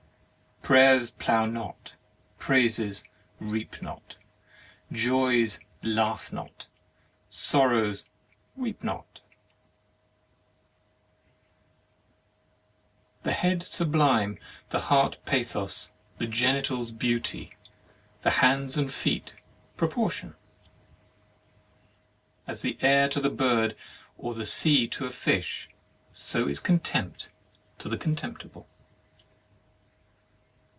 Prayers plough not; praises reap not; joys laugh not; sorrows weep not. The head Sublime, the heart Pathos, the genitals Beauty, the hands and feet Proportion. As the air to a bird, or the sea to a fish, so is contempt to the con temptible.